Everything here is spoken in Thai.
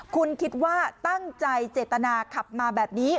คุณคิดว่าตั้งใจเจตนาขับมาแบบนี้